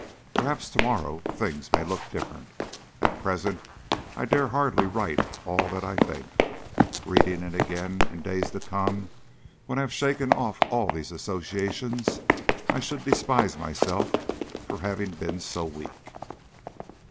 Perhaps to morrow things may look different. At present I dare hardly write all that I think. Reading it again in days to come, when I have shaken off all these associations, I should despise myself for having been so weak.